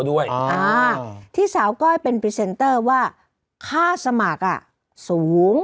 ด้วยอ่าที่สาวก้อยเป็นว่าค่าสมัครอ่ะสูง